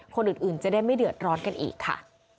คนอื่นจะได้ไม่เดือดร้อนกันอีกค่ะ